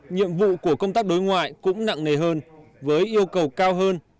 nhiệm vụ của công tác đối ngoại cũng nặng nề hơn với yêu cầu cao hơn